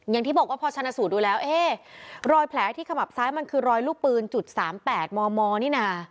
อย่างที่บอกว่าพอชนะสูตรดูแล้วเอ๊ะรอยแผลที่ขมับซ้ายมันคือรอยลูกปืนจุด๓๘มมนี่นะ